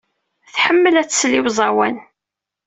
Tḥemmel ad tsel i uẓawan.